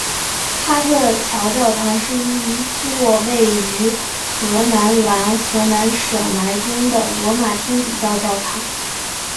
哈特桥教堂是一座位于荷兰南荷兰省莱顿的罗马天主教教堂。